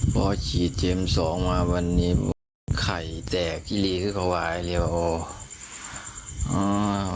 พอฉีดเตรียม๒มาวันนี้ไข่แตกที่เลยเข้าไปเร็ว